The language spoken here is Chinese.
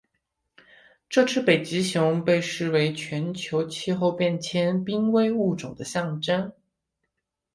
这只北极熊被视为全球气候变迁濒危物种的象征。